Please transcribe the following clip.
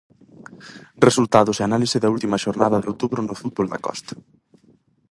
Resultados e análise da última xornada de outubro no fútbol da Costa.